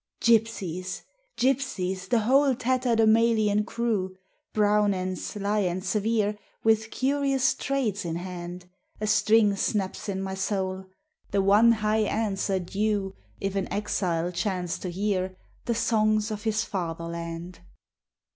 Gypsies, gypsies, the whole Tatterdemalion crew! Brown and sly and severe With curious trades in hand. A string snaps in my soul, The one high answer due If an exile chance to hear The songs of his fatherland.